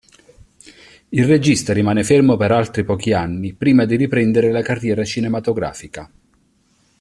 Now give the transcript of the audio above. Il regista rimane fermo per altri pochi anni prima di riprendere la carriera cinematografica.